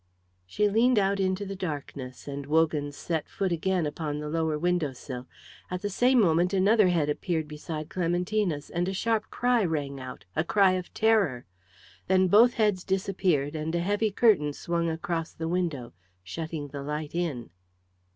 She leaned out into the darkness, and Wogan set foot again upon the lower window sill. At the same moment another head appeared beside Clementina's, and a sharp cry rang out, a cry of terror. Then both heads disappeared, and a heavy curtain swung across the window, shutting the light in.